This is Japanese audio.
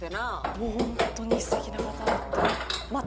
もうホントに素敵な方だった。